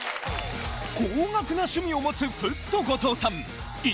高額な趣味を持つフット後藤さん